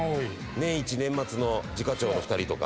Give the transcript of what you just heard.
年一年末の次課長の２人とか。